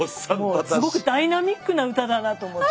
すごくダイナミックな歌だなと思って。